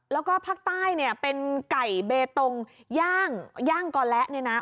แล้วก็ภาคใต้เนี่ยเป็นไก่เบตงย่างย่างกอและเนี่ยนะ